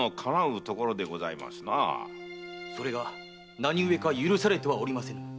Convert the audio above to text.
それが何故か許されてはおりませぬ。